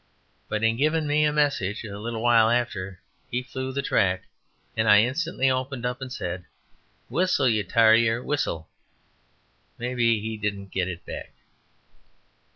But in giving me a message a little while after he flew the track, and I instantly opened up and said, "Whistle, you tarrier, whistle!" Maybe he didn't get it back.